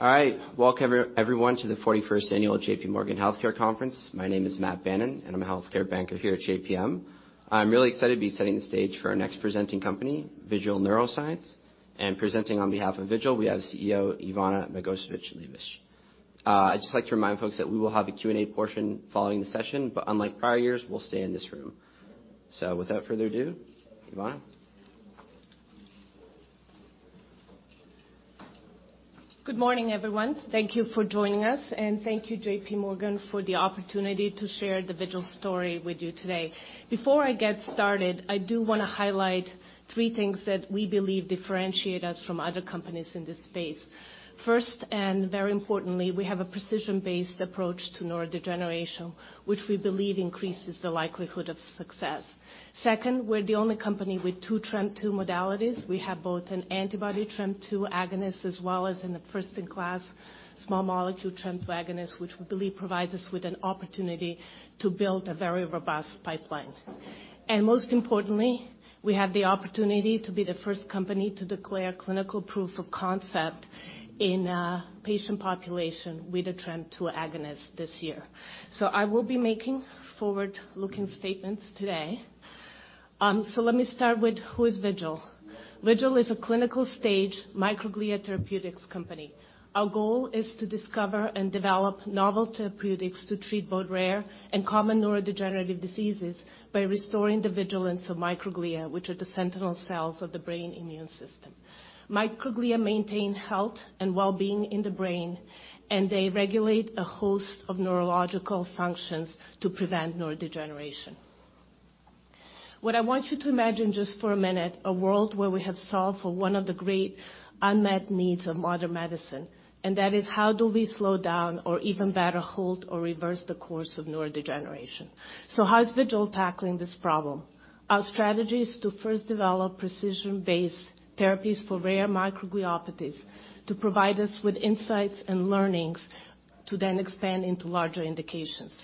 All right. Welcome everyone to the 41st annual J.P. Morgan Healthcare Conference. My name is Matt Bannon, and I'm a healthcare banker here at JPM. I'm really excited to be setting the stage for our next presenting company, Vigil Neuroscience. Presenting on behalf of Vigil, we have CEO Ivana Magovcevic-Liebisch. I'd just like to remind folks that we will have a Q&A portion following the session, unlike prior years, we'll stay in this room. Without further ado, Ivana. Good morning, everyone. Thank you for joining us, and thank you J.P. Morgan for the opportunity to share the Vigil story with you today. Before I get started, I do wanna highlight three things that we believe differentiate us from other companies in this space. First, and very importantly, we have a precision-based approach to neurodegeneration, which we believe increases the likelihood of success. Second, we're the only company with two TREM2 modalities. We have both an antibody TREM2 agonist, as well as in a first-in-class small molecule TREM2 agonist, which we believe provides us with an opportunity to build a very robust pipeline. Most importantly, we have the opportunity to be the first company to declare clinical proof of concept in a patient population with a TREM2 agonist this year. I will be making forward-looking statements today. Let me start with who is Vigil. Vigil is a clinical stage microglia therapeutics company. Our goal is to discover and develop novel therapeutics to treat both rare and common neurodegenerative diseases by restoring the vigilance of microglia, which are the sentinel cells of the brain immune system. Microglia maintain health and wellbeing in the brain. They regulate a host of neurological functions to prevent neurodegeneration. What I want you to imagine just for a minute, a world where we have solved for one of the great unmet needs of modern medicine, that is how do we slow down or even better halt or reverse the course of neurodegeneration? How is Vigil tackling this problem? Our strategy is to first develop precision-based therapies for rare microgliopathies to provide us with insights and learnings to then expand into larger indications.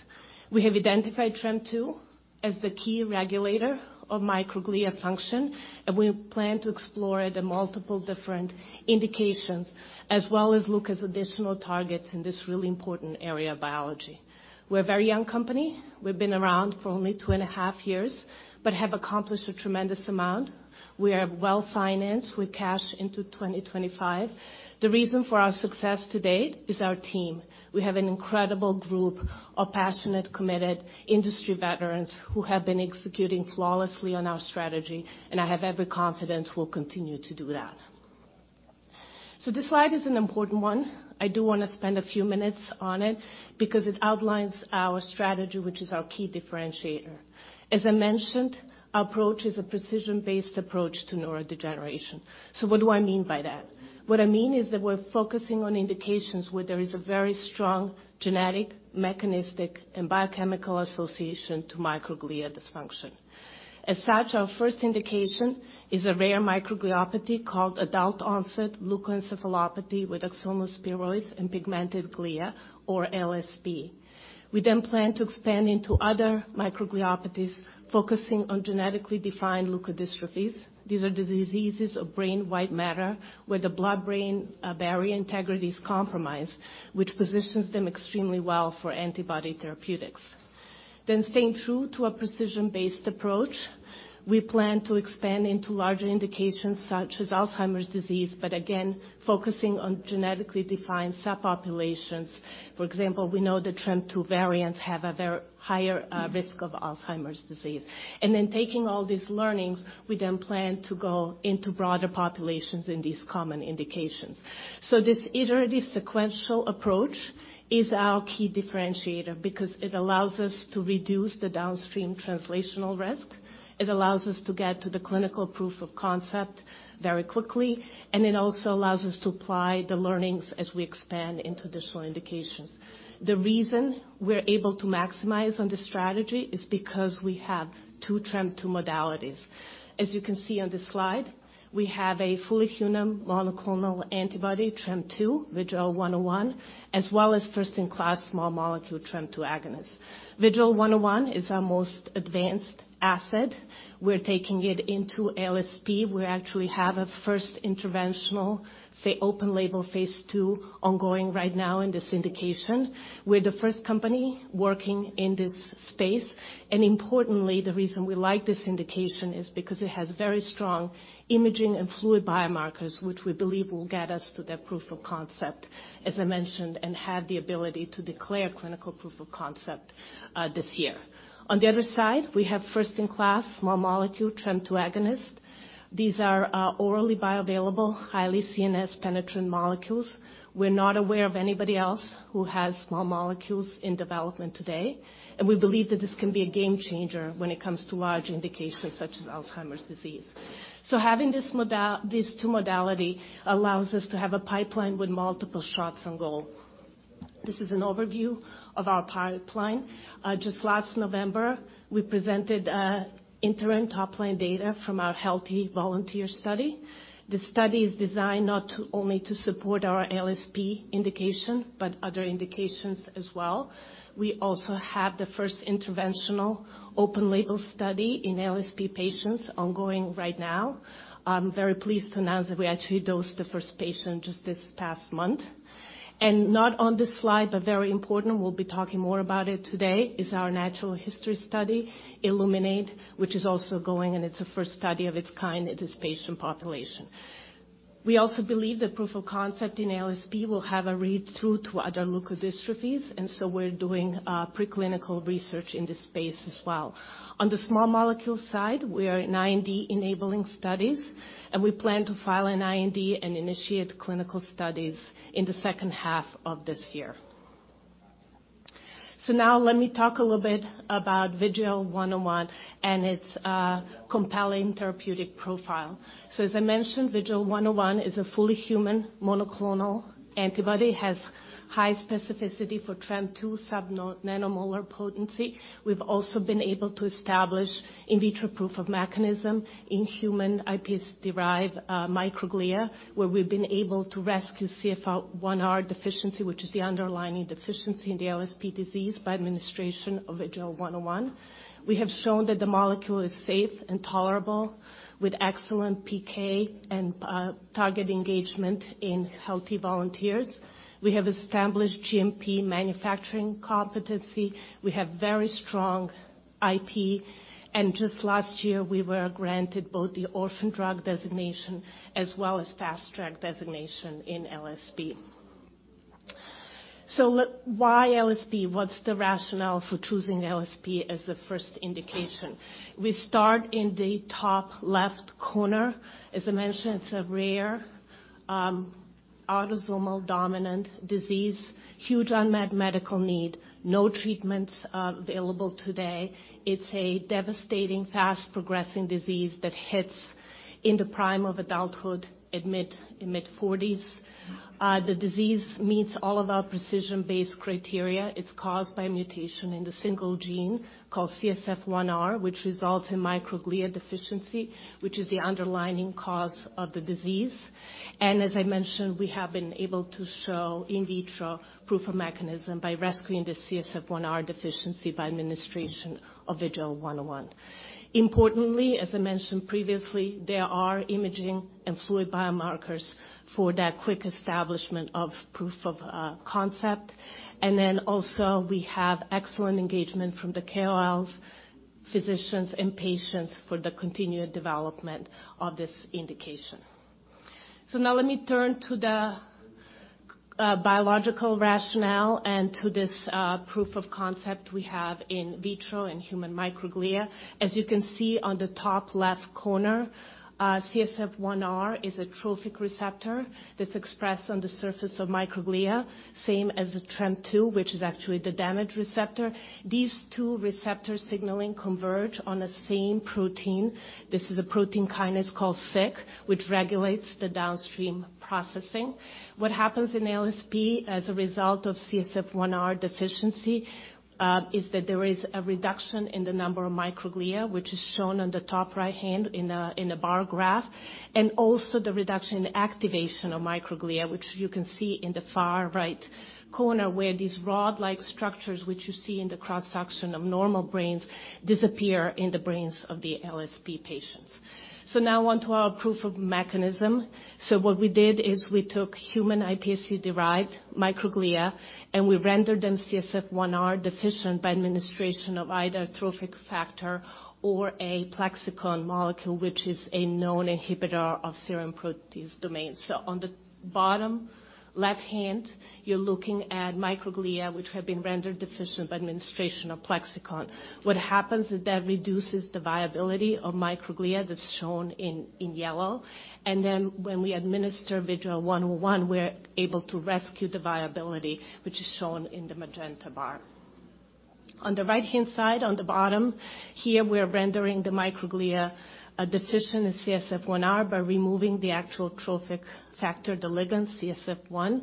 We have identified TREM2 as the key regulator of microglia function, and we plan to explore the multiple different indications as well as look as additional targets in this really important area of biology. We're a very young company. We've been around for only 2.5 years and, but have accomplished a tremendous amount. We are well-financed with cash into 2025. The reason for our success to date is our team. We have an incredible group of passionate, committed industry veterans who have been executing flawlessly on our strategy, and I have every confidence we'll continue to do that. This slide is an important one. I do wanna spend a few minutes on it because it outlines our strategy, which is our key differentiator. As I mentioned, our approach is a precision-based approach to neurodegeneration. What do I mean by that? What I mean is that we're focusing on indications where there is a very strong genetic, mechanistic, and biochemical association to microglia dysfunction. As such, our first indication is a rare microgliopathy called Adult-onset leukoencephalopathy with axonal spheroids and pigmented glia or ALSP. We then plan to expand into other microgliopathies, focusing on genetically defined leukodystrophies. These are the diseases of brain-wide matter, where the blood-brain barrier integrity is compromised, which positions them extremely well for antibody therapeutics. Staying true to a precision-based approach, we plan to expand into larger indications such as Alzheimer's disease, but again, focusing on genetically defined subpopulations. For example, we know the TREM2 variants have a very higher risk of Alzheimer's disease. Taking all these learnings, we then plan to go into broader populations in these common indications. This iterative sequential approach is our key differentiator because it allows us to reduce the downstream translational risk, it allows us to get to the clinical proof of concept very quickly, and it also allows us to apply the learnings as we expand into additional indications. The reason we're able to maximize on this strategy is because we have two TREM2 modalities. As you can see on this slide, we have a fully human monoclonal antibody TREM2, VGL101, as well as first-in-class small molecule TREM2 agonist. VGL101 is our most advanced asset. We're taking it into ALSP. We actually have a first interventional open label phase 2 ongoing right now in this indication. We're the 1st company working in this space, and importantly, the reason we like this indication is because it has very strong imaging and fluid biomarkers, which we believe will get us to that proof of concept, as I mentioned, and have the ability to declare clinical proof of concept this year. On the other side, we have 1st-in-class small molecule TREM2 agonist. These are orally bioavailable, highly CNS penetrant molecules. We're not aware of anybody else who has small molecules in development today, and we believe that this can be a game changer when it comes to large indications such as Alzheimer's disease. Having these two modality allows us to have a pipeline with multiple shots on goal. This is an overview of our pipeline. Just last November, we presented interim top line data from our healthy volunteer study. The study is designed not only to support our ALSP indication, but other indications as well. We also have the first interventional open label study in ALSP patients ongoing right now. I'm very pleased to announce that we actually dosed the first patient just this past month. Not on this slide, but very important, we'll be talking more about it today is our natural history study, ILLUMINATE, which is also going, and it's a first study of its kind in this patient population. We also believe that proof of concept in ALSP will have a read-through to other leukodystrophies, and so we're doing preclinical research in this space as well. On the small molecule side, we are in IND-enabling studies, and we plan to file an IND and initiate clinical studies in the second half of this year. Now let me talk a little bit about VGL101 and its compelling therapeutic profile. As I mentioned, VGL101 is a fully human monoclonal antibody, has high specificity for TREM2 subnanomolar potency. We've also been able to establish in vitro proof of mechanism in human iPSC-derived microglia, where we've been able to rescue CSF1R deficiency, which is the underlying deficiency in the LSP disease by administration of VGL101. We have shown that the molecule is safe and tolerable with excellent PK and target engagement in healthy volunteers. We have established GMP manufacturing competency. We have very strong IP. Just last year, we were granted both the Orphan Drug Designation as well as Fast Track designation in LSP. Why LSP? What's the rationale for choosing LSP as the first indication? We start in the top left corner. As I mentioned, it's a rare, autosomal dominant disease, huge unmet medical need, no treatments available today. It's a devastating, fast-progressing disease that hits in the prime of adulthood at mid-40s. The disease meets all of our precision-based criteria. It's caused by a mutation in the single gene called CSF1R, which results in microglia deficiency, which is the underlying cause of the disease. As I mentioned, we have been able to show in vitro proof of mechanism by rescuing the CSF1R deficiency by administration of VGL101. Importantly, as I mentioned previously, there are imaging and fluid biomarkers for that quick establishment of proof of concept. We have excellent engagement from the KOLs, physicians, and patients for the continued development of this indication. Now let me turn to the biological rationale and to this proof of concept we have in vitro in human microglia. As you can see on the top left corner, CSF1R is a trophic receptor that's expressed on the surface of microglia, same as the TREM2, which is actually the damage receptor. These two receptor signaling converge on the same protein. This is a protein kinase called SYK, which regulates the downstream processing. What happens in LSP as a result of CSF1R deficiency, is that there is a reduction in the number of microglia, which is shown on the top right-hand in a bar graph, and also the reduction in activation of microglia, which you can see in the far right corner, where these rod-like structures, which you see in the cross-section of normal brains, disappear in the brains of the LSP patients. Now on to our proof of mechanism. What we did is we took human iPSC-derived microglia, and we rendered them CSF1R deficient by administration of either a trophic factor or a Plexxikon molecule, which is a known inhibitor of serine protease domain. On the bottom left-hand, you're looking at microglia which have been rendered deficient by administration of Plexxikon. What happens is that reduces the viability of microglia that's shown in yellow. When we administer VGL101, we're able to rescue the viability, which is shown in the magenta bar. On the right-hand side on the bottom, here we are rendering the microglia deficient in CSF1R by removing the actual trophic factor, the ligand CSF1.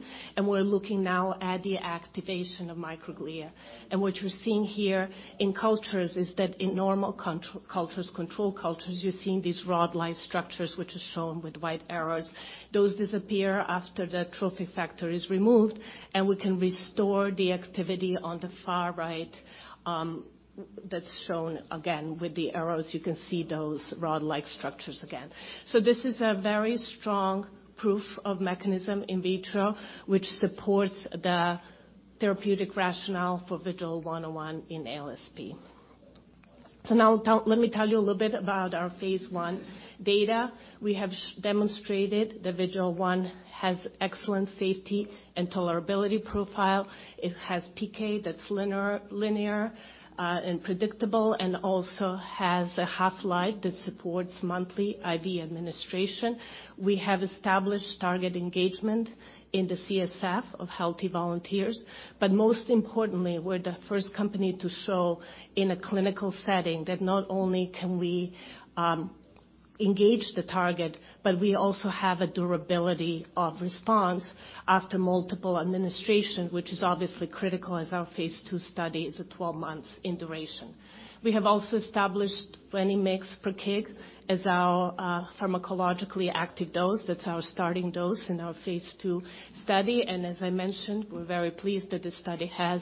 We're looking now at the activation of microglia. What you're seeing here in cultures is that in normal control cultures, you're seeing these rod-like structures which are shown with white arrows. Those disappear after the trophic factor is removed, and we can restore the activity on the far right, that's shown again with the arrows. You can see those rod-like structures again. This is a very strong proof of mechanism in vitro, which supports the therapeutic rationale for VGL101 in LSP. Now let me tell you a little bit about our phase 1 data. We have demonstrated that VGL1 has excellent safety and tolerability profile. It has PK that's linear and predictable, and also has a half-life that supports monthly IV administration. We have established target engagement in the CSF of healthy volunteers. Most importantly, we're the first company to show in a clinical setting that not only can we engage the target, but we also have a durability of response after multiple administration, which is obviously critical as our phase 2 study is a 12-month in duration. We have also established 20 mgs per kg as our pharmacologically active dose. That's our starting dose in our phase 2 study. As I mentioned, we're very pleased that the study has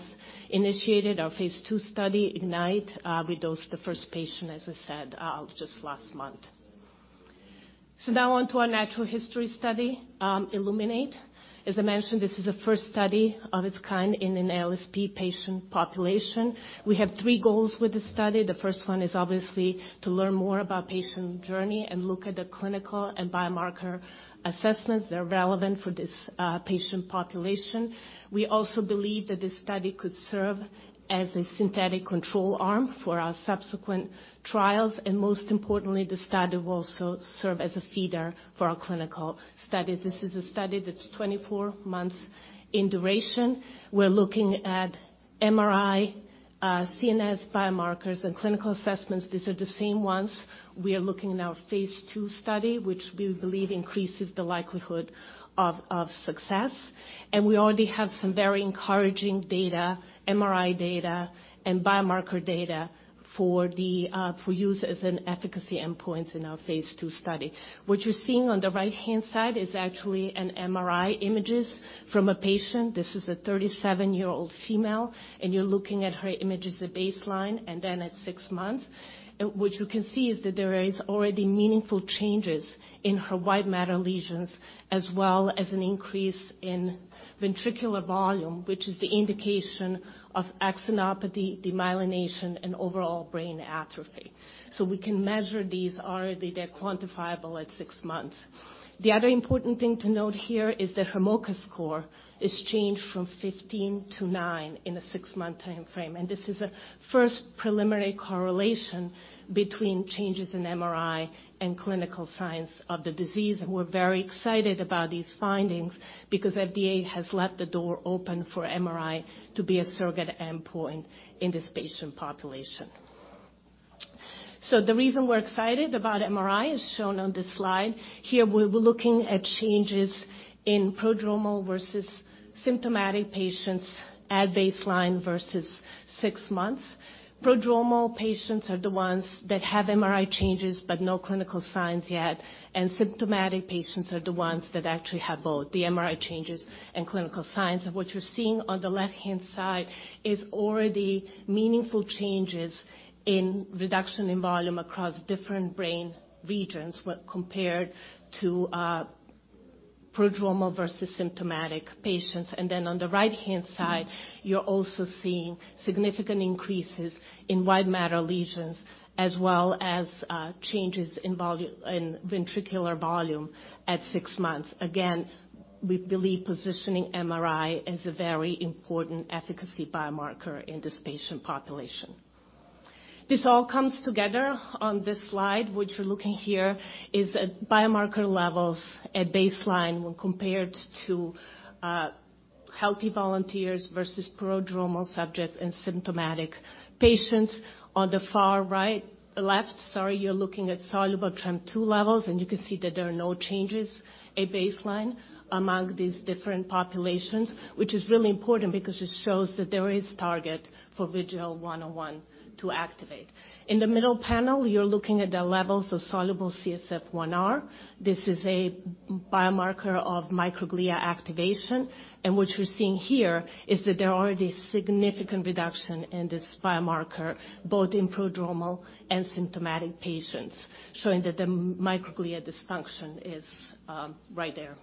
initiated. Our phase 2 study, IGNITE, we dosed the first patient, as I said, just last month. Now on to our natural history study, ILLUMINATE. As I mentioned, this is a first study of its kind in an ALSP patient population. We have three goals with this study. The first one is obviously to learn more about patient journey and look at the clinical and biomarker assessments that are relevant for this patient population. We also believe that this study could serve as a synthetic control arm for our subsequent trials. Most importantly, the study will also serve as a feeder for our clinical studies. This is a study that's 24 months in duration. We're looking at MRI, CNS biomarkers and clinical assessments. These are the same ones we are looking in our phase 2 study, which we believe increases the likelihood of success. We already have some very encouraging data, MRI data and biomarker data for the use as an efficacy endpoint in our phase 2 study. What you're seeing on the right-hand side is actually an MRI images from a patient. This is a 37-year-old female, and you're looking at her images at baseline and then at 6 months. What you can see is that there is already meaningful changes in her white matter lesions, as well as an increase in ventricular volume, which is the indication of axonopathy, demyelination, and overall brain atrophy. We can measure these already. They're quantifiable at 6 months. The other important thing to note here is that her MoCA score is changed from 15 to 9 in a 6-month timeframe, and this is a first preliminary correlation between changes in MRI and clinical signs of the disease. We're very excited about these findings because FDA has left the door open for MRI to be a surrogate endpoint in this patient population. The reason we're excited about MRI is shown on this slide. Here, we're looking at changes in prodromal versus symptomatic patients at baseline versus six months. Prodromal patients are the ones that have MRI changes but no clinical signs yet. Symptomatic patients are the ones that actually have both the MRI changes and clinical signs. What you're seeing on the left-hand side is already meaningful changes in reduction in volume across different brain regions when compared to prodromal versus symptomatic patients. On the right-hand side, you're also seeing significant increases in white matter lesions as well as changes in ventricular volume at six months. Again, we believe positioning MRI is a very important efficacy biomarker in this patient population. This all comes together on this slide. What you're looking here is at biomarker levels at baseline when compared to healthy volunteers versus prodromal subjects and symptomatic patients. On the far right... Left, sorry, you're looking at soluble TREM2 levels. You can see that there are no changes at baseline among these different populations, which is really important because it shows that there is target for VGL101 to activate. In the middle panel, you're looking at the levels of soluble CSF1R. This is a biomarker of microglia activation. What you're seeing here is that there are already significant reduction in this biomarker, both in prodromal and symptomatic patients, showing that the microglia dysfunction is right there.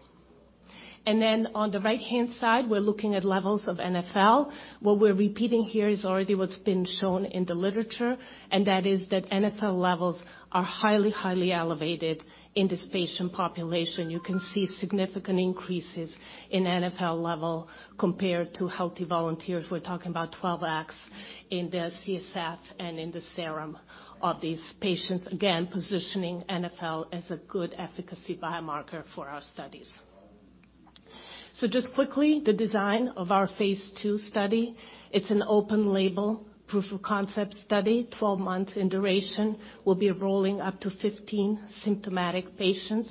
On the right-hand side, we're looking at levels of NfL. What we're repeating here is already what's been shown in the literature. That is that NfL levels are highly elevated in this patient population. You can see significant increases in NfL level compared to healthy volunteers. We're talking about 12x in the CSF and in the serum of these patients, again, positioning NfL as a good efficacy biomarker for our studies. Just quickly, the design of our phase 2 study, it's an open-label proof of concept study, 12 months in duration. We'll be enrolling up to 15 symptomatic patients.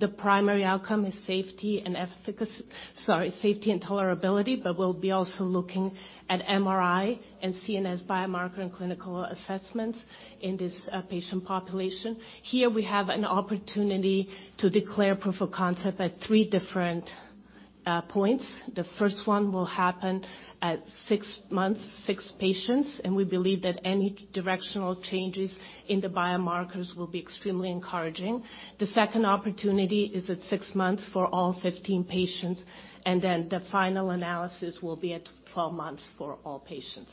The primary outcome is safety and tolerability, but we'll be also looking at MRI and CNS biomarker and clinical assessments in this patient population. Here we have an opportunity to declare proof of concept at three different points. The first one will happen at six months, six patients, and we believe that any directional changes in the biomarkers will be extremely encouraging. The second opportunity is at six months for all 15 patients, and then the final analysis will be at 12 months for all patients.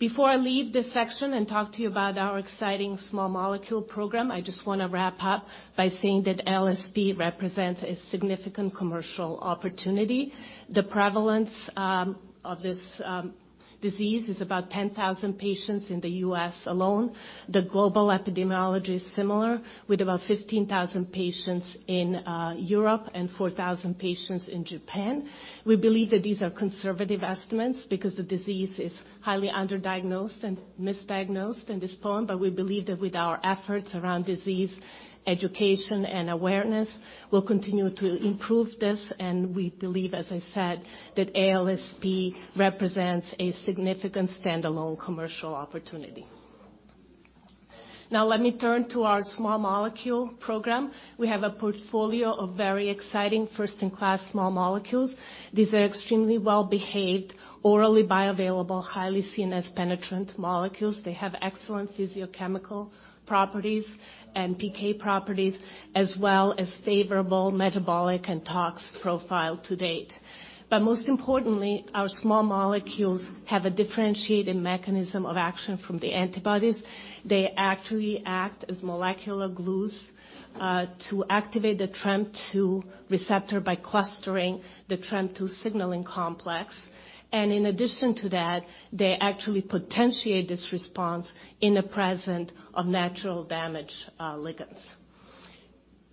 Before I leave this section and talk to you about our exciting small molecule program, I just wanna wrap up by saying that ALSP represents a significant commercial opportunity. The prevalence of this disease is about 10,000 patients in the U.S. alone. The global epidemiology is similar with about 15,000 patients in Europe and 4,000 patients in Japan. We believe that these are conservative estimates because the disease is highly under diagnosed and misdiagnosed and postponed. We believe that with our efforts around disease education and awareness, we'll continue to improve this, and we believe, as I said, that ALSP represents a significant standalone commercial opportunity. Now let me turn to our small molecule program. We have a portfolio of very exciting first-in-class small molecules. These are extremely well-behaved orally bioavailable, highly seen as penetrant molecules. They have excellent physicochemical properties and PK properties, as well as favorable metabolic and tox profile to date. Most importantly, our small molecules have a differentiating mechanism of action from the antibodies. They actually act as molecular glues to activate the TREM2 receptor by clustering the TREM2 signaling complex. In addition to that, they actually potentiate this response in the presence of natural damage ligands.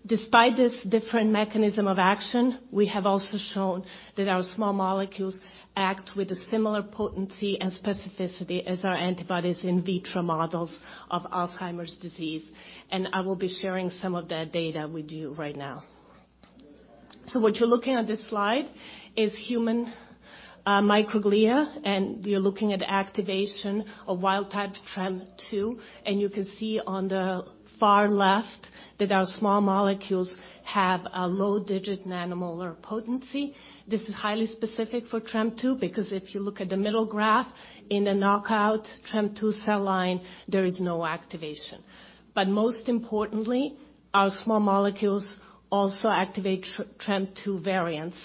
Despite this different mechanism of action, we have also shown that our small molecules act with a similar potency and specificity as our antibodies in vitro models of Alzheimer's disease. I will be sharing some of that data with you right now. What you're looking at this slide is human microglia, and we are looking at activation of wild type TREM2. You can see on the far left that our small molecules have a low digit nanomolar potency. This is highly specific for TREM2 because if you look at the middle graph in a knockout TREM2 cell line, there is no activation. Most importantly, our small molecules also activate T-TREM2 variants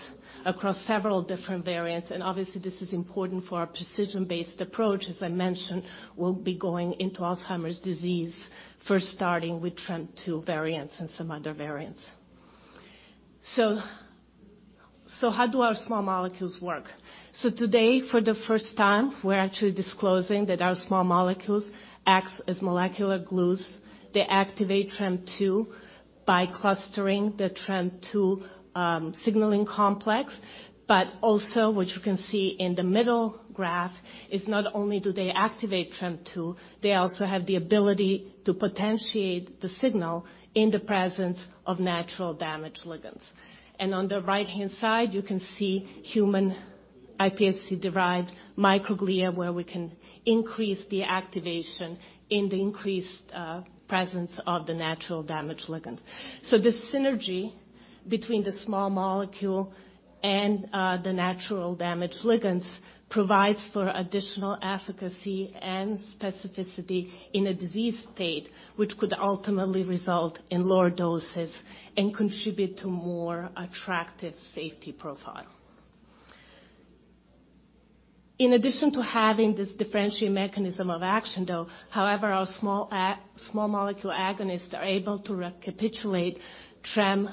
across several different variants. Obviously, this is important for our precision-based approach. As I mentioned, we'll be going into Alzheimer's disease first starting with TREM2 variants and some other variants. How do our small molecules work? Today, for the first time, we're actually disclosing that our small molecules act as molecular glues. They activate TREM2 by clustering the TREM2 signaling complex. What you can see in the middle graph is not only do they activate TREM2, they also have the ability to potentiate the signal in the presence of natural damage ligands. On the right-hand side, you can see human iPSC derived microglia, where we can increase the activation and increase presence of the natural damage ligand. The synergy between the small molecule and the natural damage ligands provides for additional efficacy and specificity in a disease state, which could ultimately result in lower doses and contribute to more attractive safety profile. In addition to having this differentiated mechanism of action, though, however, our small molecule agonists are able to recapitulate TREM2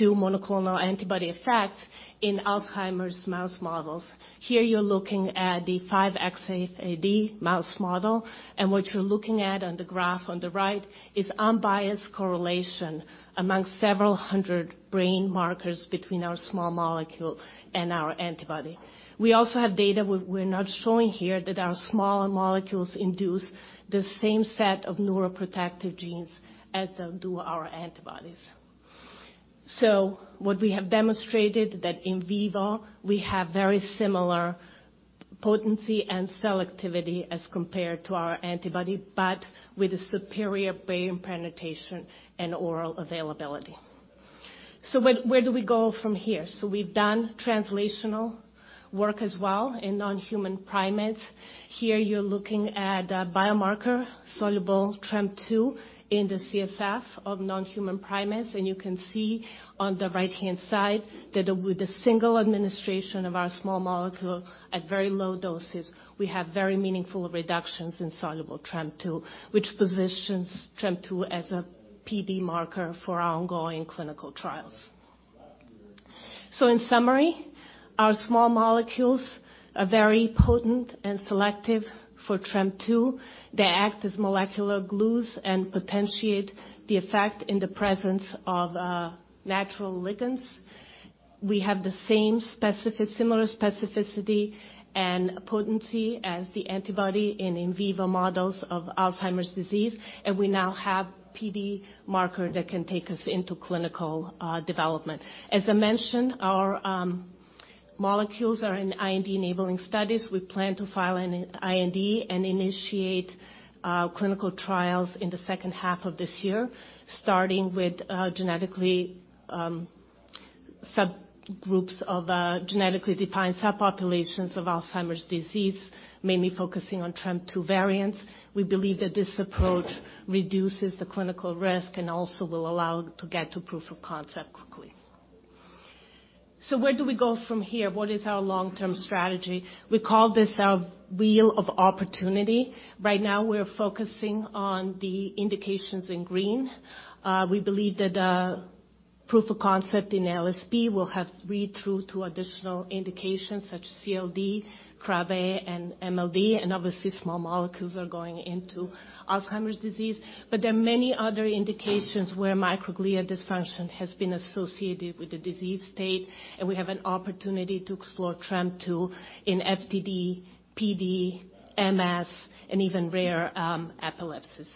monoclonal antibody effects in Alzheimer's mouse models. Here you're looking at the 5xFAD mouse model. What you're looking at on the graph on the right is unbiased correlation among several hundred brain markers between our small molecule and our antibody. We also have data we're not showing here, that our smaller molecules induce the same set of neuroprotective genes as do our antibodies. What we have demonstrated that in vivo we have very similar potency and selectivity as compared to our antibody, but with a superior brain penetration and oral availability. Where do we go from here? We've done translational work as well in non-human primates. Here you're looking at a biomarker soluble TREM2 in the CSF of non-human primates. You can see on the right-hand side that, with a single administration of our small molecule at very low doses, we have very meaningful reductions in soluble TREM2, which positions TREM2 as a PD marker for our ongoing clinical trials. In summary, our small molecules are very potent and selective for TREM2. They act as molecular glues and potentiate the effect in the presence of natural ligands. We have the same similar specificity and potency as the antibody in in vivo models of Alzheimer's disease. We now have PD marker that can take us into clinical development. As I mentioned, our molecules are in IND-enabling studies. We plan to file an IND and initiate clinical trials in the second half of this year, starting with genetically subgroups of genetically defined subpopulations of Alzheimer's disease, mainly focusing on TREM2 variants. We believe that this approach reduces the clinical risk and also will allow to get to proof of concept quickly. Where do we go from here? What is our long-term strategy? We call this our wheel of opportunity. Right now, we're focusing on the indications in green. We believe that proof of concept in ALSP will have read through to additional indications such as CLD, Krabbe, and MLD. Obviously small molecules are going into Alzheimer's disease. There are many other indications where microglia dysfunction has been associated with the disease state, and we have an opportunity to explore TREM2 in FTD, PD, MS, and even rare epilepsies.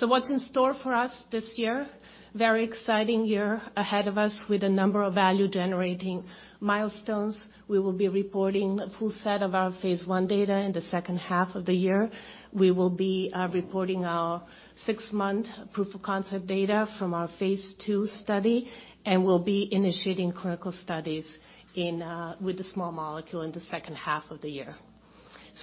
What's in store for us this year? Very exciting year ahead of us with a number of value-generating milestones. We will be reporting a full set of our phase 1 data in the second half of the year. We will be reporting our six-month proof of concept data from our phase 2 study, and we'll be initiating clinical studies with the small molecule in the second half of the year.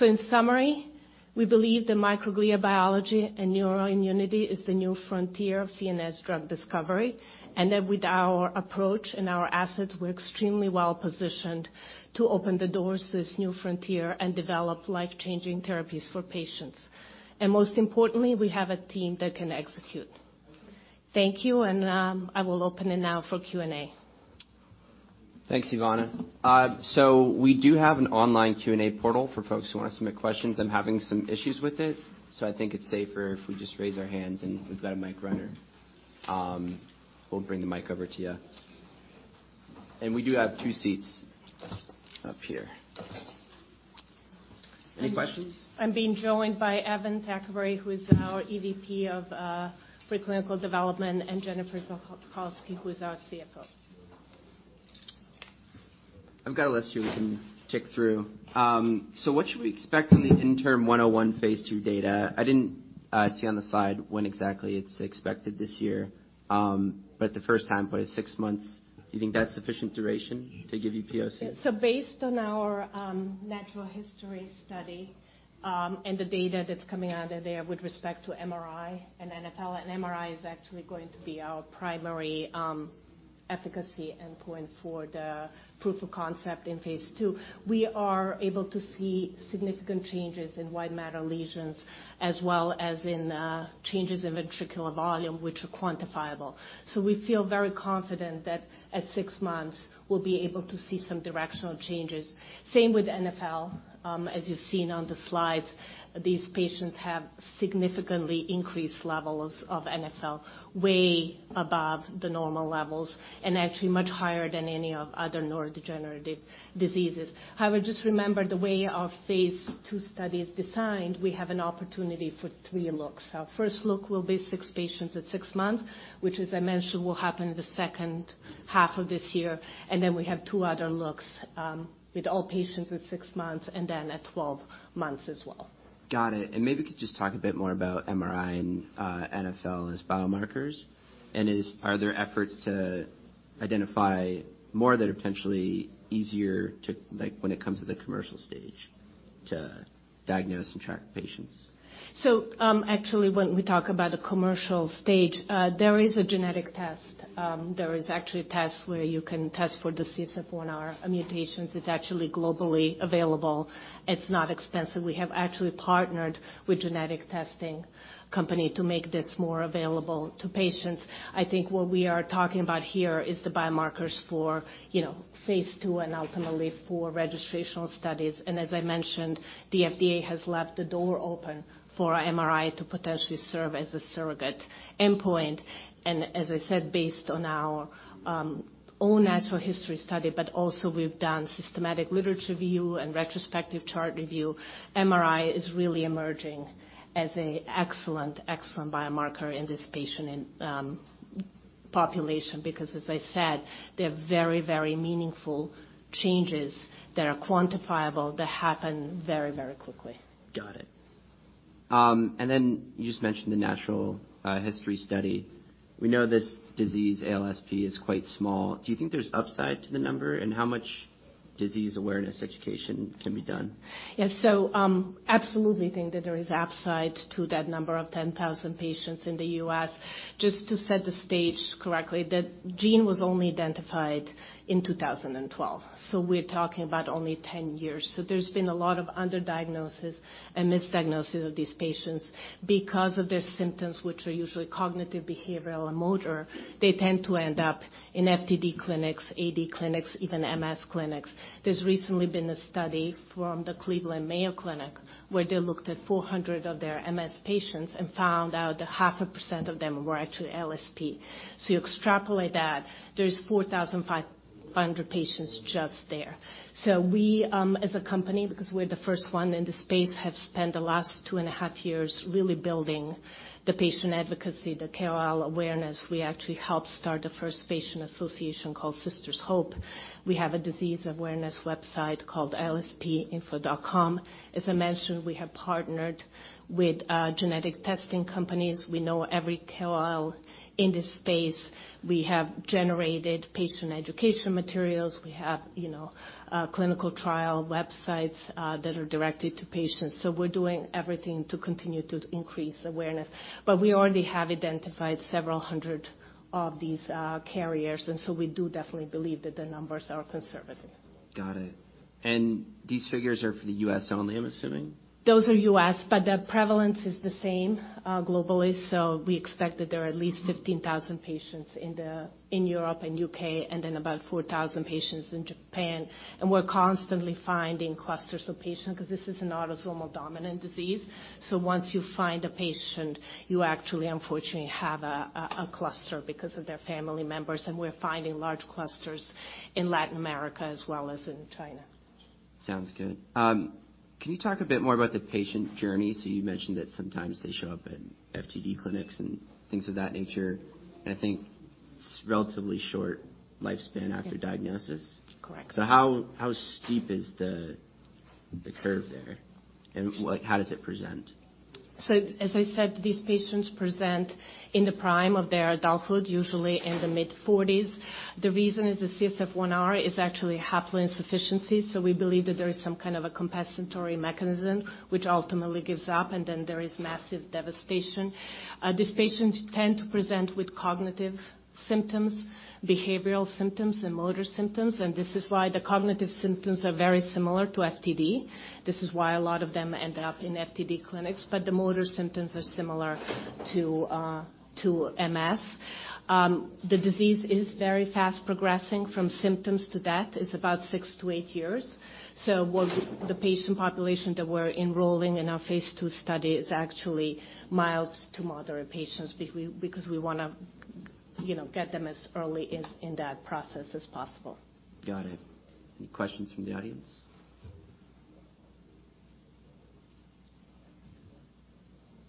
In summary, we believe the microglia biology and neuroimmunity is the new frontier of CNS drug discovery, and that with our approach and our assets, we're extremely well-positioned to open the doors to this new frontier and develop life-changing therapies for patients. Most importantly, we have a team that can execute. Thank you. I will open it now for Q&A. Thanks, Ivana. We do have an online Q&A portal for folks who wanna submit questions. I'm having some issues with it, so I think it's safer if we just raise our hands, and we've got a mic runner. We'll bring the mic over to you. We do have two seats up here. Any questions? I'm being joined by Evan Thackaberry, who is our EVP of Pre-clinical Development, and Jennifer Ziolkowski, who is our CFO. I've got a list here we can tick through. What should we expect from the interim VGL101 phase 2 data? I didn't see on the slide when exactly it's expected this year. The first time point is six months, do you think that's sufficient duration to give you POC? Based on our natural history study, and the data that's coming out of there with respect to MRI and NfL, and MRI is actually going to be our primary efficacy endpoint for the proof of concept in phase 2. We are able to see significant changes in white matter lesions as well as in changes in ventricular volume, which are quantifiable. We feel very confident that at six months, we'll be able to see some directional changes. Same with NfL. As you've seen on the slides, these patients have significantly increased levels of NfL, way above the normal levels and actually much higher than any of other neurodegenerative diseases. However, just remember the way our phase 2 study is designed, we have an opportunity for three looks. Our first look will be six patients at six months, which, as I mentioned, will happen in the second half of this year. We have 2 other looks, with all patients at six months and then at 12 months as well. Got it. Maybe you could just talk a bit more about MRI and NfL as biomarkers. Are there efforts to identify more that are potentially easier to, like when it comes to the commercial stage, to diagnose and track patients? Actually, when we talk about the commercial stage, there is a genetic test. There is actually a test where you can test for the CSF1R mutations. It's actually globally available. It's not expensive. We have actually partnered with genetic testing company to make this more available to patients. I think what we are talking about here is the biomarkers for, you know, phase 2 and ultimately for registrational studies. As I mentioned, the FDA has left the door open for MRI to potentially serve as a surrogate endpoint. As I said, based on our own natural history study, but also we've done systematic literature review and retrospective chart review, MRI is really emerging as an excellent biomarker in this patient population because, as I said, they're very meaningful changes that are quantifiable, that happen very quickly. Got it. Then you just mentioned the natural history study. We know this disease, ALSP, is quite small. Do you think there's upside to the number, and how much disease awareness education can be done? Yes. absolutely think that there is upside to that number of 10,000 patients in the U.S.. Just to set the stage correctly, the gene was only identified in 2012, we're talking about only 10 years. There's been a lot of underdiagnosis and misdiagnosis of these patients. Because of their symptoms, which are usually cognitive, behavioral, and motor, they tend to end up in FTD clinics, AD clinics, even MS clinics. There's recently been a study from the Cleveland Mayo Clinic where they looked at 400 of their MS patients and found out that 0.5% of them were actually ALSP. You extrapolate that, there's 4,500 patients just there. We, as a company, because we're the first one in the space, have spent the last 2.5 years really building the patient advocacy, the KOL awareness. We actually helped start the first patient association called Sisters' Hope. We have a disease awareness website called lspinfo.com. As I mentioned, we have partnered with genetic testing companies. We know every KOL in this space. We have generated patient education materials. We have, you know, clinical trial websites that are directed to patients. We're doing everything to continue to increase awareness. We already have identified several hundred of these carriers, and so we do definitely believe that the numbers are conservative. Got it. These figures are for the U.S. only, I'm assuming? Those are U.S.. The prevalence is the same, globally, so we expect that there are at least 15,000 patients in Europe and U.K., and then about 4,000 patients in Japan. We're constantly finding clusters of patients 'cause this is an autosomal dominant disease. Once you find a patient, you actually, unfortunately, have a cluster because of their family members, and we're finding large clusters in Latin America as well as in China. Sounds good. Can you talk a bit more about the patient journey? You mentioned that sometimes they show up at FTD clinics and things of that nature, and I think it's relatively short lifespan after diagnosis. Correct. How steep is the curve there? How does it present? As I said, these patients present in the prime of their adulthood, usually in their mid-40s. The reason is the CSF1R is actually haploinsufficiency, so we believe that there is some kind of a compensatory mechanism which ultimately gives up, and then there is massive devastation. These patients tend to present with cognitive symptoms, behavioral symptoms, and motor symptoms, and this is why the cognitive symptoms are very similar to FTD. This is why a lot of them end up in FTD clinics. The motor symptoms are similar to MS. The disease is very fast progressing from symptoms to death, it's about six-eight years. What the patient population that we're enrolling in our phase 2 study is actually mild to moderate patients because we wanna, you know, get them as early in that process as possible. Got it. Any questions from the audience?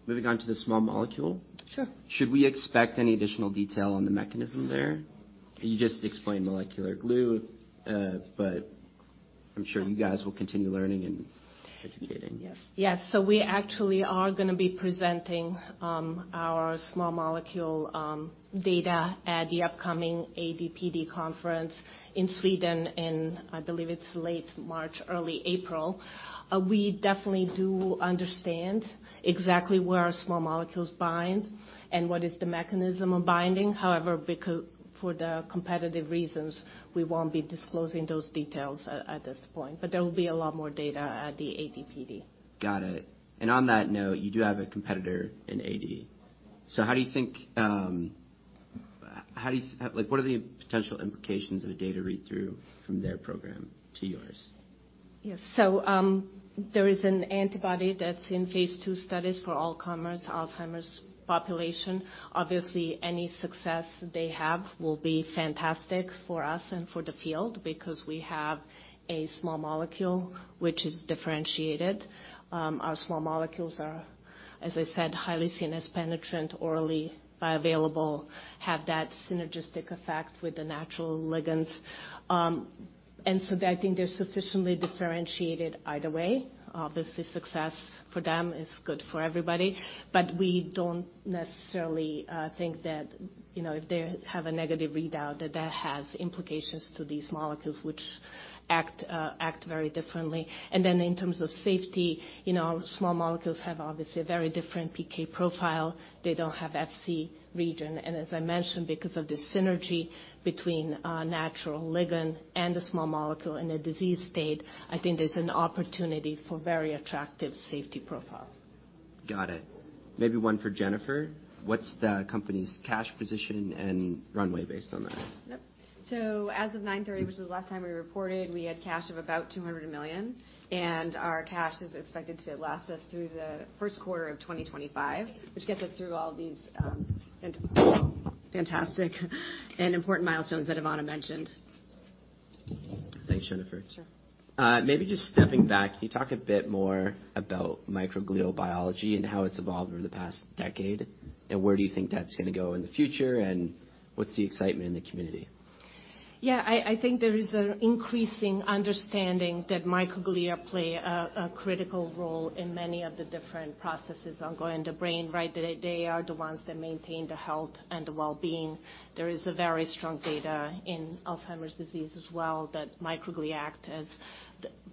Moving on to the small molecule. Sure. Should we expect any additional detail on the mechanism there? You just explained molecular glue, but I'm sure you guys will continue learning and educating. Yes. Yes. We actually are gonna be presenting our small molecule data at the upcoming ADPD conference in Sweden in, I believe it's late March, early April. We definitely do understand exactly where our small molecules bind and what is the mechanism of binding. However, for the competitive reasons, we won't be disclosing those details at this point. There will be a lot more data at the ADPD. Got it. On that note, you do have a competitor in AD. How do you think, Like, what are the potential implications of a data read-through from their program to yours? Yes. There is an antibody that's in phase 2 studies for all comers Alzheimer's population. Obviously, any success they have will be fantastic for us and for the field because we have a small molecule which is differentiated. Our small molecules are, as I said, highly CNS penetrant, orally bioavailable, have that synergistic effect with the natural ligands. I think they're sufficiently differentiated either way. Obviously, success for them is good for everybody. We don't necessarily think that, you know, if they have a negative readout, that that has implications to these molecules which act very differently. In terms of safety, you know, small molecules have obviously a very different PK profile. They don't have Fc region. As I mentioned, because of the synergy between natural ligand and the small molecule in a disease state, I think there's an opportunity for very attractive safety profile. Got it. Maybe one for Jennifer. What's the company's cash position and runway based on that? Yep. As of 9:30 A.M., which is the last time we reported, we had cash of about $200 million. Our cash is expected to last us through the 1st quarter of 2025, which gets us through all these fantastic and important milestones that Ivana mentioned. Thanks, Jennifer. Sure. Maybe just stepping back, can you talk a bit more about microglial biology and how it's evolved over the past decade? Where do you think that's gonna go in the future, and what's the excitement in the community? I think there is an increasing understanding that microglia play a critical role in many of the different processes ongoing in the brain, right? They are the ones that maintain the health and the wellbeing. There is a very strong data in Alzheimer's disease as well, that microglia act as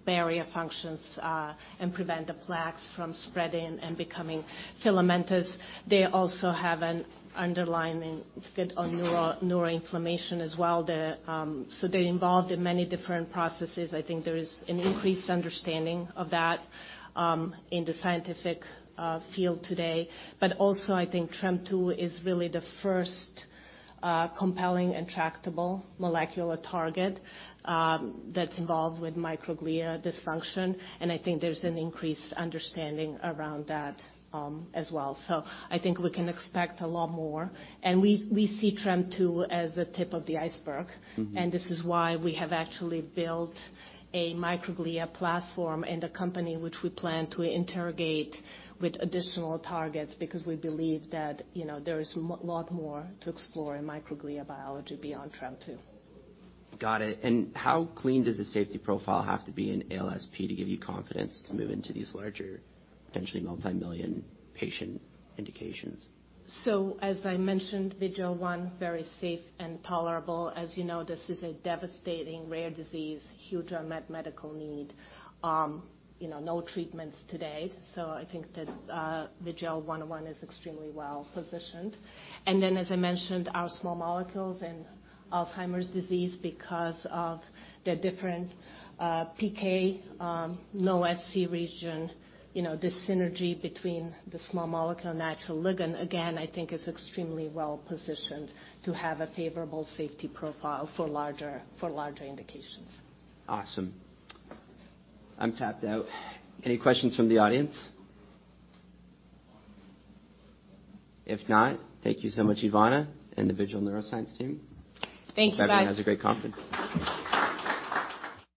barrier functions and prevent the plaques from spreading and becoming filamentous. They also have an underlying effect on neuroinflammation as well. They're involved in many different processes. I think there is an increased understanding of that in the scientific field today. Also, I think TREM2 is really the first compelling and tractable molecular target that's involved with microglia dysfunction, I think there's an increased understanding around that as well. I think we can expect a lot more. We see TREM2 as the tip of the iceberg. Mm-hmm. This is why we have actually built a microglia platform in the company, which we plan to interrogate with additional targets because we believe that, you know, there is a lot more to explore in microglia biology beyond TREM2. Got it. How clean does the safety profile have to be in ALSP to give you confidence to move into these larger, potentially multi-million patient indications? As I mentioned, VGL one, very safe and tolerable. As you know, this is a devastating rare disease, huge unmet medical need. You know, no treatments today. I think that VGL101 is extremely well-positioned. Then, as I mentioned, our small molecules in Alzheimer's disease because of the different PK, no Fc region, you know, the synergy between the small molecule and natural ligand, again, I think is extremely well-positioned to have a favorable safety profile for larger indications. Awesome. I'm tapped out. Any questions from the audience? If not, thank you so much, Ivana and the Vigil Neuroscience team. Thanks, guys. Hope everyone has a great conference.